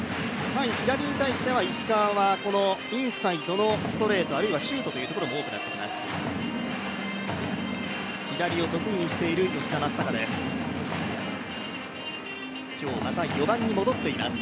対左に対して石川はインサイドのストレート、あるいはシュートも多くなってきています。